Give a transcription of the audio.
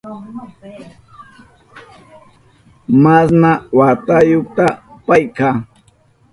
¿Masna watayuta payka?